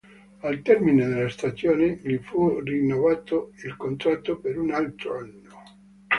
Al termine della stagione gli fu rinnovato il contratto per un altro anno.